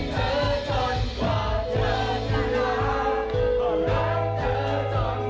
เธอคือความสุขของฉัน